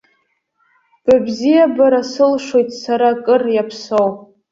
Быбзиабара сылшоит сара, кыр иаԥсоу!